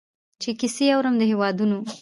چي کیسې اورم د هیوادونو